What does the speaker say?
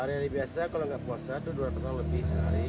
hari hari biasa kalau tidak puasa itu dua ratus orang lebih sehari